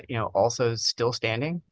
juga masih berada